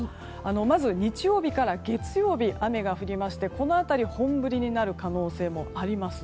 まず日曜日から月曜日雨が降りましてこの辺りで本降りになる可能性もあります。